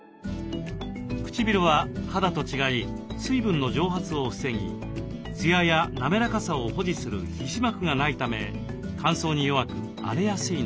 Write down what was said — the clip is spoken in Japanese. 唇は肌と違い水分の蒸発を防ぎツヤや滑らかさを保持する皮脂膜がないため乾燥に弱く荒れやすいのです。